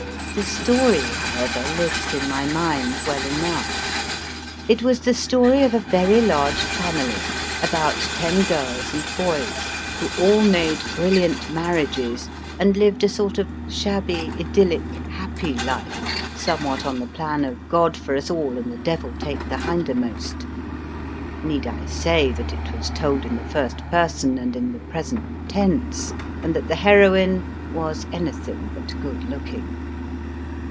The story, however, lives in my mind well enough ; it was the story of a very large family about ten girls and boys, who all made brilliant marriages and lived a sort of shabby, idyllic, happy life, some what on the plan of God for us all and the devil take the hindermost. Need I say that it was told in the first person and in the present tense, and that the heroine was anything but good looking